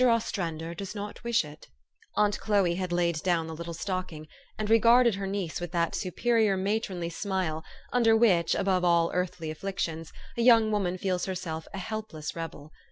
Ostrander does not wish it." Aunt Chloe laid down the little stocking, and 208 THE STORY OF AVIS. regarded her niece with that superior matronly smile, under which, above all earthly afflictions, a young woman feels herself a helpless rebel.